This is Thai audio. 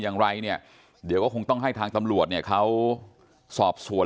อย่างไรเนี่ยเดี๋ยวก็คงต้องให้ทางตำรวจเนี่ยเขาสอบสวน